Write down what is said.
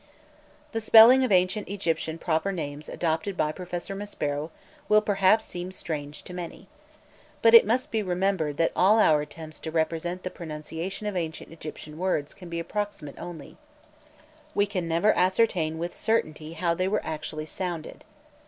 The spelling of ancient Egyptian proper names adopted by Professor Maspero will perhaps seem strange to many. But it must be remembered that all our attempts to represent the pronunciation of ancient Egyptian words can be approximate only; we can never ascertain with certainty how they were actually sounded.